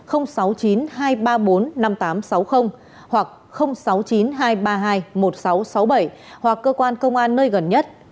hoặc sáu mươi chín hai trăm ba mươi hai một nghìn sáu trăm sáu mươi bảy hoặc cơ quan công an nơi gần nhất